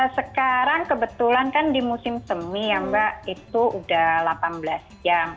sekarang kebetulan kan di musim semi ya mbak itu udah delapan belas jam